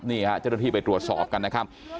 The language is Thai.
นี่ฮะเจ้าหน้าที่ไปตรวจสอบกันนะครับ